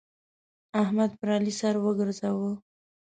احمد پر علي سر وګرځاوو.